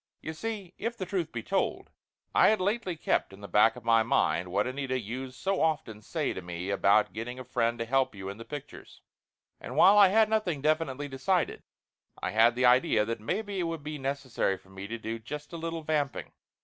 You see if the truth be told, I had lately kept in the back of my mind what Anita used so often say to me about getting a friend to help you in the pictures. And while I had nothing definitely decided, I had the idea that maybe it would be necessary for me to do just a little vamp ing.